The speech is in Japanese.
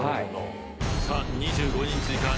さあ２５人追加。